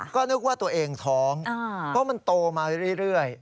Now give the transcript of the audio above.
ก็นึกว่าตัวเองท้องเพราะมันโตมาเรื่อย